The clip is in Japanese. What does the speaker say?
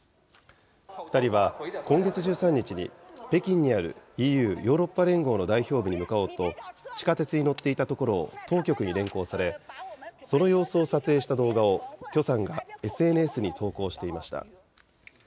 ２人は今月１３日に、北京にあるＥＵ・ヨーロッパ連合の代表部に向かおうと地下鉄に乗っていたところを当局に連行され、その様子を撮影した動画を許さんがＳＮＳに投稿していました。